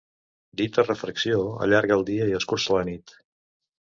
Dita refracció allarga el dia i escurça la nit.